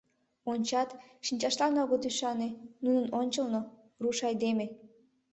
Ончат, шинчаштлан огыт ӱшане: нунын ончылно — руш айдеме.